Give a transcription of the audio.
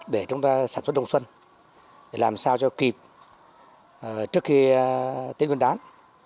để chúng ta sản xuất đông xuân để làm sao cho kịp trước khi tết nguyên đán